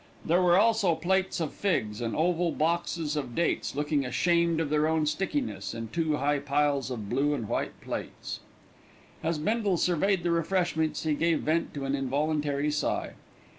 There were also plates of figs and oval boxes of dates, looking ashamed of their own stickiness, and two high piles of blue and white plates. As Bindle surveyed the refreshments he gave vent to an involuntary sigh.